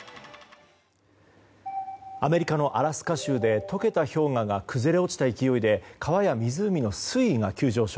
アメリカのアラスカ州で解けた氷河が崩れ落ちた勢いで川や湖の水位が急上昇。